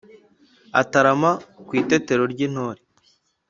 atarama ku itetero ry'intore